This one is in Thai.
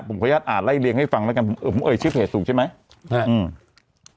ผมพออยากอ่านไล่เลี้ยงให้ฟังนะครับชื่อเพจถูกใช่ไหมมั้ย